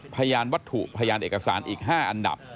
พยานวัตถุพยานเอกสารอีก๕อันดับ